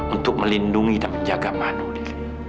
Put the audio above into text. untuk melindungi dan menjaga mano lili